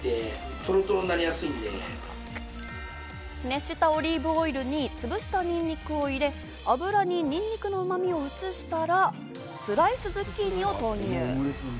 熱したオリーブオイルにつぶしたニンニクを入れ、油にニンニクのうまみを移したら、スライスズッキーニを投入。